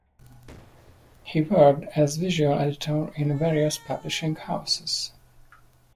He worked as visual editor in various publishing houses.